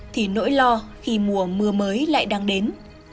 thì nỗi lo khi mùa mưa mới lại đang đến